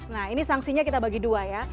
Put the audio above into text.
nah ini sanksinya kita bagi dua ya